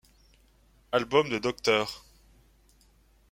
Albums de Dr.